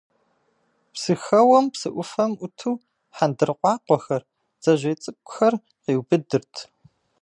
Псыхэуэм, псы ӏуфэм ӏуту, хьэндыркъуакъуэхэр, бдзэжьей цӏыкӏухэр къиубыдырт.